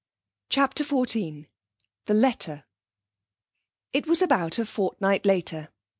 CHAPTER XIV The Letter It was about a fortnight later.